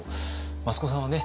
益子さんはね